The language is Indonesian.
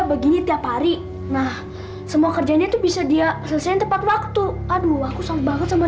begini tiap hari nah semua kerja itu bisa dia selesain tepat waktu aduh aku sangat banget sama